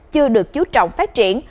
chưa được chú trọng phát triển